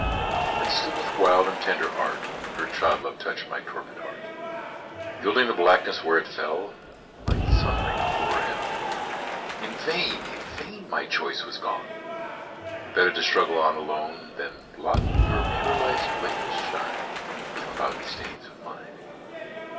And still with wild and tender art Your child love touched my torpid heart, Gilding the blackness where it fell, Like sunlight over hell. In vain, in vain! my choice was gone! Better to struggle on alone Than blot your pure life's blameless shine With cloudy stains of mine.